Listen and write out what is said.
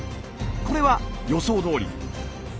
これは予想どおり。